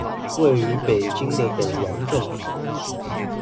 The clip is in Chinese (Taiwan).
位於北京的北洋政府